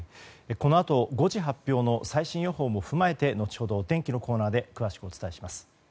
このあと５時発表の最新予報も踏まえて後ほどお天気のコーナーで詳しくお伝えします。